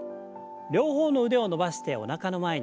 両方の腕を伸ばしておなかの前に。